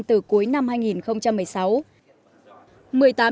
từ cuối năm hai nghìn một mươi sáu